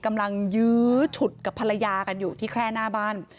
ยื้อฉุดกับภรรยากันอยู่ที่แคร่หน้าบ้าน